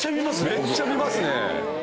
めっちゃ見ますね。